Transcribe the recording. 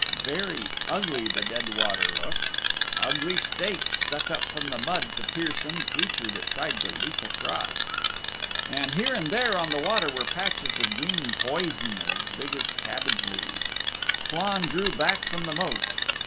Very ugly the dead water looked. Ugly stakes stuck up from the mud to pierce any creature that tried to leap across. And here and there on the water were patches of green poison as big as cabbage leaves. Flann drew back from the Moat.